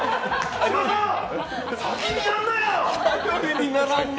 先にやるなよ！